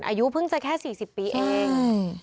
อายุเพิ่งจะแค่๔๐ปีเอง